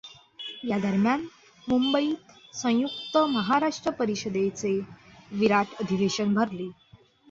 या दरम्यान मुंबईत संयुक्त महाराष्ट्र परिषदे चे विराट अधिवेशन भरले.